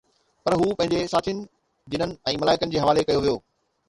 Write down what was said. پر هو پنهنجي ساٿين، جنن ۽ ملائڪن جي حوالي ڪيو ويو